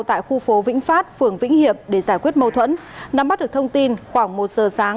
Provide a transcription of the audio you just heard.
tại khu phố vĩnh phát phường vĩnh hiệp để giải quyết mâu thuẫn nắm bắt được thông tin khoảng một giờ sáng